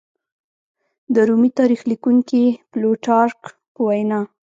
د رومي تاریخ لیکونکي پلوټارک په وینا